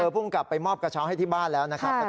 ภูมิกลับไปมอบกระเช้าให้ที่บ้านแล้วนะครับ